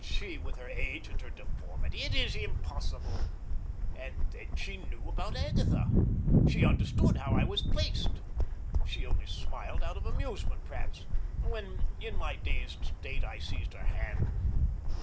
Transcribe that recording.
She, with her age and her deformity! It is impossible. And then she knew about Agatha. She understood how I was placed. She only smiled out of amusement, perhaps, when in my dazed state I seized her hand.